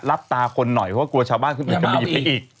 รับตาคนหน่อยเพราะว่ากลัวชาวบ้านขึ้นมาเอาไปอีก